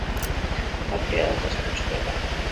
თაფლი არასდროს ფუჭდება,